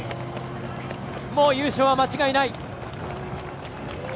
もう優勝は間違いない。